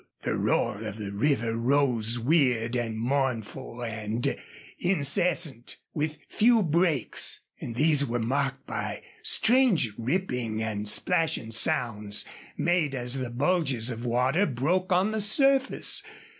The roar of the river rose weird and mournful and incessant, with few breaks, and these were marked by strange ripping and splashing sounds made as the bulges of water broke on the surface.